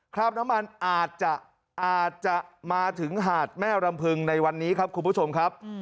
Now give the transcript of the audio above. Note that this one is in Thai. คราบน้ำมันอาจจะอาจจะมาถึงหาดแม่รำพึงในวันนี้ครับคุณผู้ชมครับ